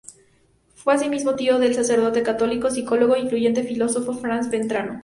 Fue asimismo tío del sacerdote católico, psicólogo e influyente filósofo Franz Brentano.